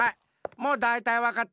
もうだいたいわかった！